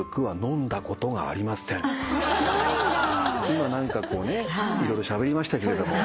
今何かこうね色々しゃべりましたけれども。